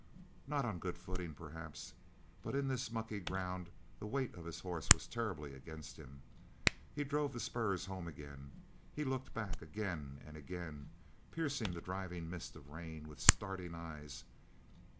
Not on good footing, perhaps, but in this mucky ground the weight of his horse was terribly against him. He drove the spurs home again; he looked back again and again, piercing the driving mist of rain with starting eyes.